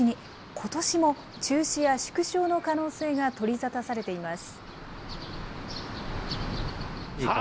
ことしも中止や縮小の可能性が取り沙汰されています。